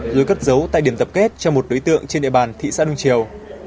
rồi cất giấu tại điểm tập kết cho một đối tượng trên địa bàn thị xã đông triều